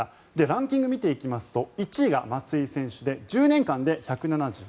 ランキングを見ていきますと１位が松井選手で１０年間で１７５本。